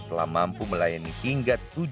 telah mampu melayani hingga